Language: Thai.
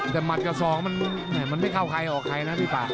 แต่หัดกับสองมันไม่เข้าใครออกใครนะพี่ป่า